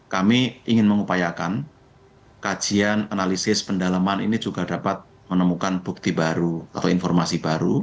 kami ingin mengupayakan kajian analisis pendalaman ini juga dapat menemukan bukti baru atau informasi baru